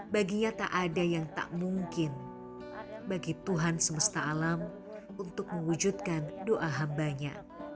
baginya tak ada yang tak mungkin bagi tuhan semesta alam untuk mewujudkan doa hambanya